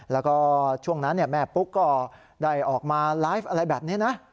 แล้วก็ช่วงนั้นแม่ปุ๊กก็ได้ออกมาไลฟ์อะไรแบบนี้นะ